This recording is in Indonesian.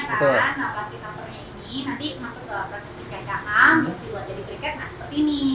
nanti masuk ke plastik pijak pijakan bisa dibuat jadi briket nah seperti ini